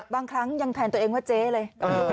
บางครั้งยังแทนตัวเองว่าเจ๊เลย